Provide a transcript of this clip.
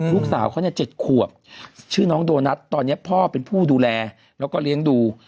ลูกสาวเขาเนี่ย๗ขวบชื่อน้องโดนัทตอนนี้พ่อเป็นผู้ดูแลแล้วก็เลี้ยงดู